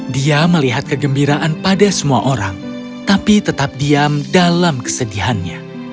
dia melihat kegembiraan pada semua orang tapi tetap diam dalam kesedihannya